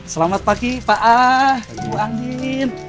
selamat pagi pak ein bu angin